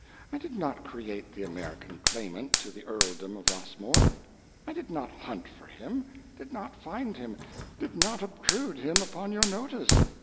I did not create the American claimant to the earldom of Rossmore; I did not hunt for him, did not find him, did not obtrude him upon your notice.